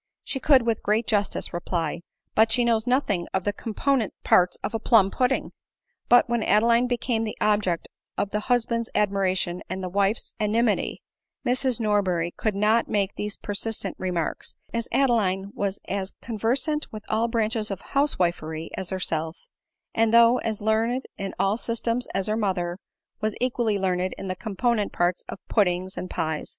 She could with great justice reply, " but she knows nothing of the component parts of a plum pudding." But when Adeline became the object of the husband's admiration and the wife's enmity, Mrs Norberry could not make these pertinent remarks, as Adeline was as conversant with all branches of housewifery as herself; and, though as learned in all systems as her mother, was equally learned in the component parts of puddings and pies.